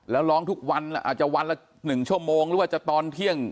แล้วร้องทุกวันอาจจะวันละ๑ชั่วโมงหรือว่าจะตอนเที่ยง